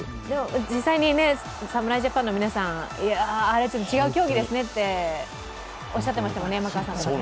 実際に侍ジャパンの皆さん、あれは違う競技ですねとおっしゃってましたね。